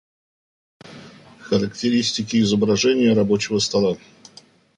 Характеристики изображения рабочего стола